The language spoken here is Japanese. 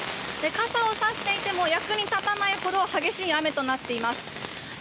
傘をさしていても役に立たないほど激しい雨となっています。